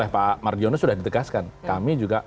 pak mardiono sudah ditegaskan kami juga